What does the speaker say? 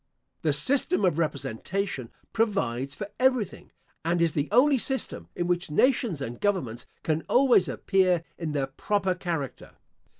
The system of representation provides for everything, and is the only system in which nations and governments can always appear in their proper character.